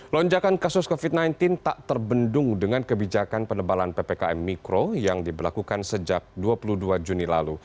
lonjakan kasus covid sembilan belas tak terbendung dengan kebijakan penebalan ppkm mikro yang diberlakukan sejak dua puluh dua juni lalu